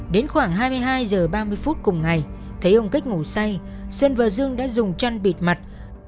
đến khoảng hai mươi hai h ba mươi phút cùng ngày thấy ông kích ngủ say sơn và dương đã dùng chăn bịt mặt